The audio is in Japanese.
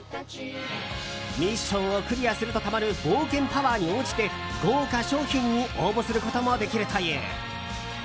ミッションをクリアするとたまる冒険パワーに応じて豪華賞品に応募することもできるという。